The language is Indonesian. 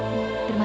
terima kasih abah